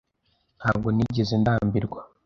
Ntabwo nigeze ndambirwa.